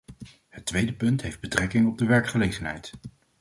Het tweede punt heeft betrekking op de werkgelegenheid.